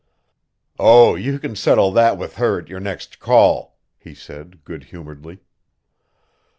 "Oh, you can settle that with her at your next call," he said good humoredly.